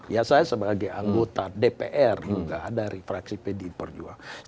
ya saya sebagai anggota dpr dari fraksi pdi perjuangan